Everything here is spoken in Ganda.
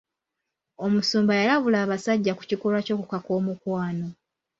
Omusumba yalabula abasajja ku kikolwa ky'okukaka omukwano.